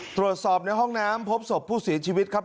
ตรวจสอบในห้องน้ำพบศพผู้เสียชีวิตครับ